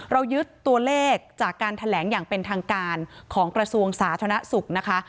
เรายึดตัวเลขจากการแถลงอย่างเป็นทางการของกระทรวงสาธารณสุขนะคะ